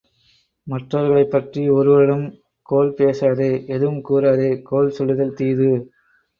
மற்றவர்களைப்பற்றி ஒருவரிடம் கோள் பேசாதே எதுவும் கூறாதே கோள் சொல்லுதல் தீது.